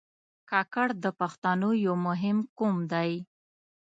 کاکړ د پښتنو یو مهم قوم دی.